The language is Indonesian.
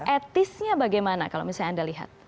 etisnya bagaimana kalau misalnya anda lihat